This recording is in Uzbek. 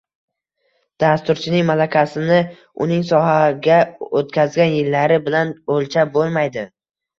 Dasturchining malakasini uning sohada o’tkazgan yillari bilan o’lchab bo’lmaydi